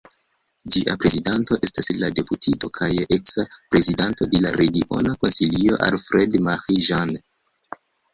Ĝia prezidanto estas la deputito kaj eksa prezidanto de la Regiona Konsilio Alfred Marie-Jeanne.